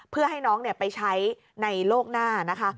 เพื่อให้น้องไปใช้ในโรคหน้า